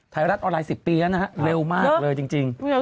ไทยรัฐออนไลน์๑๐ปีแล้วนะฮะเร็วมากเลยจริง